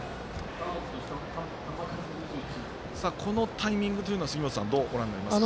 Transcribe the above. このタイミングというのは杉本さんどうご覧になりますか？